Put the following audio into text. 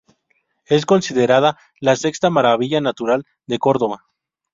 Es considerada la sexta Maravilla Natural de Córdoba.